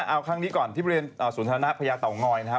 เอาครั้งนี้ก่อนที่เรียนสวนธนาภยาเตาง้อยนะฮะ